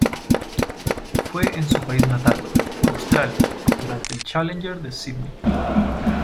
Fue en su país natal, Australia, durante el Challenger de Sídney.